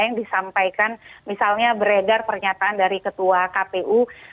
yang disampaikan misalnya beredar pernyataan dari ketua kpu